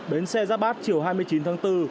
bến xe giáp bát chiều hai mươi chín tháng bốn